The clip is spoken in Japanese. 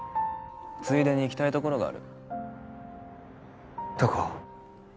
ついでに行きたいところがあるどこ？